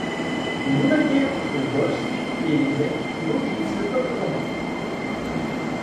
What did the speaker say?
Une nouvelle guerre contre les Volsques et les Èques mobilise le peuple romain.